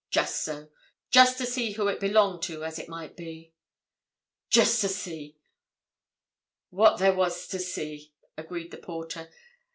"Just so—just to see who it belonged to, as it might be." "Just to see—what there was to see," agreed the porter.